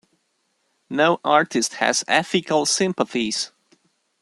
No artist has ethical sympathies.